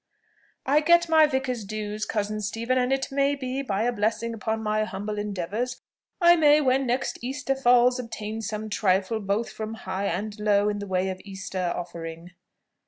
"I get my vicar's dues, cousin Stephen; and it may be, by a blessing upon my humble endeavours, I may, when next Easter falls, obtain some trifle both from high and low in the way of Easter offering."